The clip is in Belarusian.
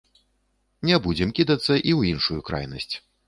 Не будзем кідацца і ў іншую крайнасць.